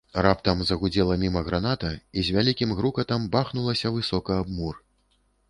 Раптам загудзела міма граната і з вялікім грукатам бахнулася высока аб мур.